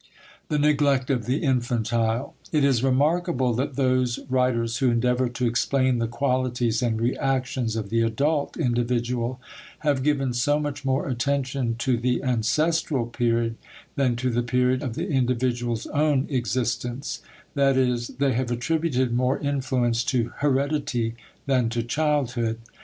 *The Neglect of the Infantile.* It is remarkable that those writers who endeavor to explain the qualities and reactions of the adult individual have given so much more attention to the ancestral period than to the period of the individual's own existence that is, they have attributed more influence to heredity than to childhood.